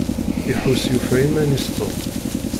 Iḥuss yufa iman-is Tom.